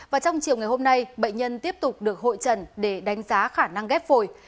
và trong chiều ngày hôm nay bệnh nhân tiếp tục được hội trần để đánh giá khả năng ghép phổi